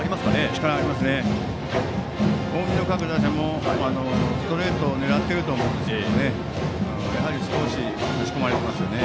近江の各打者もストレートを狙っていると思うんですけどやはり少し差し込まれていますね。